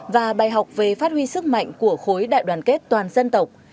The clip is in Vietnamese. và bài học về phát huy sức mạnh của khối đại đoàn kết toàn dân tộc